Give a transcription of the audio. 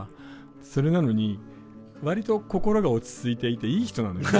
それなのにわりと心が落ち着いていていい人なんですね。